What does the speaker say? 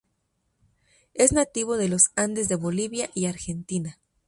Es nativo de los Andes de Bolivia y Argentina.